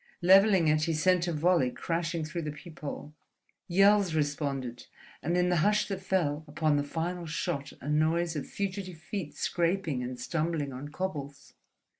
Levelling it he sent a volley crashing through the peephole. Yells responded, and in the hush that fell upon the final shot a noise of fugitive feet scraping and stumbling on cobbles.